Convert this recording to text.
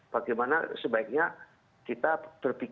bagaimana sebaiknya kita berpikir